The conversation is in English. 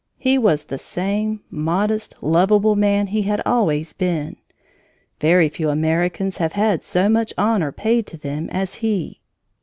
He was the same modest, lovable man he had always been. Very few Americans have had so much honor paid to them as he.